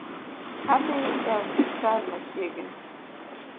Adhi e osiptal machiegni